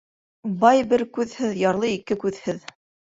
Бай бер күҙһеҙ, ярлы ике күҙһеҙ.